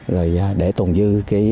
rồi để tồn dư